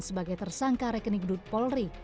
sebagai tersangka rekening dut polri